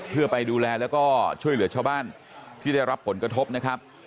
เพื่อไปดูแลแล้วก็ช่วยเหลือชาวบ้านที่ได้รับผลกระทบนะครับ